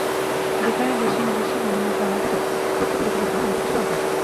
যেখানে দেশি-বিদেশি বিভিন্ন স্বনাম খ্যাত তথ্য প্রযুক্তিবিদগণ আলোচক হিসেবে অংশ নেবেন।